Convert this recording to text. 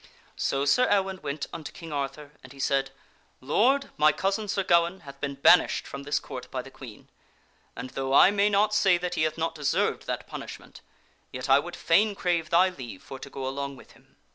So Sir Ewaine went unto King Arthur, and he said, " Lord, my cousin, Sir Gawaine, hath been banished from this Court by the Queen. And though I may not say that he hath not deserved that punishment, yet I would fain crave thy leave for to go along with him."